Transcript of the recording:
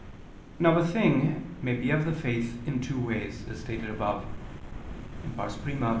Now a thing may be of the faith in two ways, as stated above (I, Q.